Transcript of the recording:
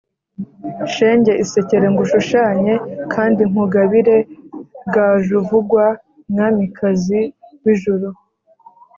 shenge isekere ngushushanye kandi nkugabire gajuvugwa mwamikazi w’ijuru